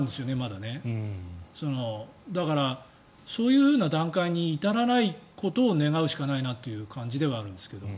だから、そういう段階に至らないことを願うしかないなという感じではあるんですが。